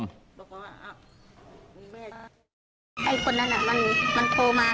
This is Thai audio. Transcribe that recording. ไอ้คนนั้นน่ะมันโทรมาเข้าเครื่องลูกสาว